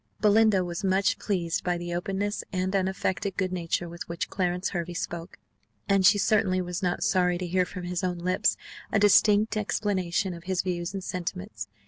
Belinda was much pleased by the openness and the unaffected good nature with which Clarence Hervey spoke, and she certainly was not sorry to hear from his own lips a distinct explanation of his views and sentiments.